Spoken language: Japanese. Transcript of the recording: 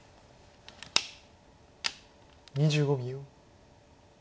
２５秒。